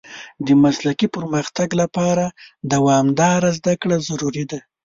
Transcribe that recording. د مسلکي پرمختګ لپاره دوامداره زده کړه ضروري ده.